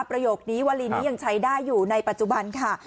ประโยคนี้วาลีนี้ยังใช้ได้อยู่ในปัจจุบันค่ะ